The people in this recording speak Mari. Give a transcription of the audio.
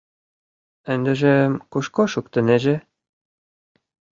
Ындыжым кушко шуктынеже?